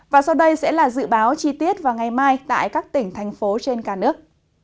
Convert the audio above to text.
và sau đây sẽ là dự báo chi tiết vào ngày mai tại các tỉnh thành phố trên cả nước